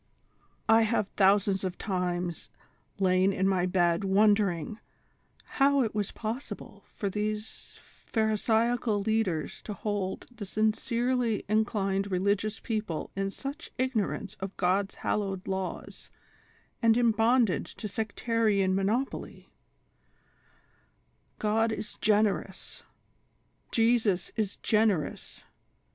"I have tliousands of times lain in my bed wondering how it was possible for these Pharisaical leaders to hold the sincerely inclined religious peoyjle in such ignorance of God's hallowed laws, and in bondage to sectarian mo 224 THE SOCIAL WAR OF 1900 ; OR, nopoly, God is generous. Jesus was generous.